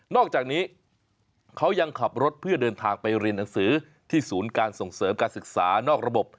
อกจากนี้เขายังขับรถเพื่อเดินทางไปเรียนหนังสือที่ศูนย์การส่งเสริมการศึกษานอกระบบ